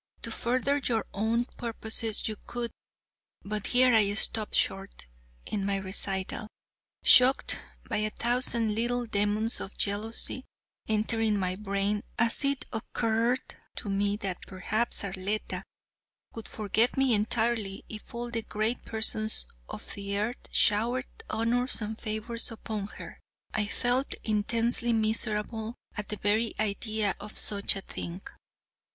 To further your own purposes you could" but here I stopped short in my recital, shocked by a thousand little demons of jealousy entering my brain as it occurred to me that perhaps Arletta would forget me entirely if all the great persons of the earth showered honors and favors upon her. I felt intensely miserable at the very idea of such a thing.